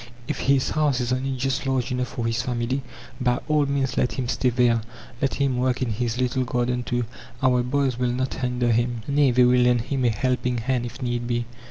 If his house is only just large enough for his family, by all means let him stay there. Let him work in his little garden, too; our "boys" will not hinder him nay, they will lend him a helping hand if need be.